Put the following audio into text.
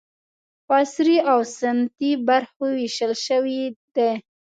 په عصري او سنتي برخو وېشل شوي دي.